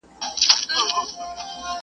شاعرانو پکښي ولوستل شعرونه؛